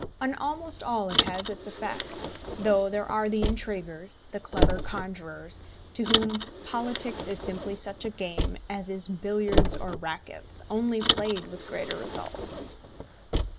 On almost all it has its effect; though there are the intriguers, the clever conjurers, to whom politics is simply such a game as is billiards or rackets, only played with greater results.